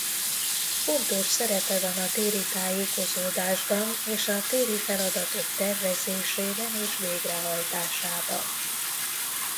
Fontos szerepe van a téri tájékozódásban és a téri feladatok tervezésében és végrehajtásában.